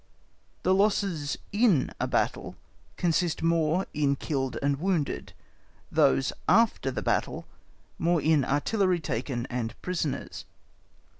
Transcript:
The losses in a battle consist more in killed and wounded; those after the battle, more in artillery taken and prisoners.